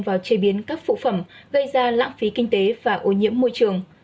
vào chế biến các phụ phẩm gây ra lãng phí kinh tế và ô nhiễm môi trường